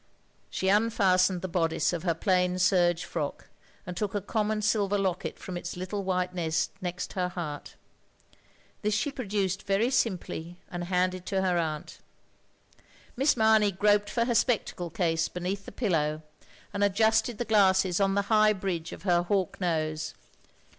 She tmfastened the bodice of her plain serge frock, and took a common silver locket from its little white nest next her heart. This she produced very simply and handed to her aunt. Miss Mamey groped for her spectacle case 20 THE LONELY LADY beneath the pillow, and adjusted the glasses on the high bridge of her hawk nose.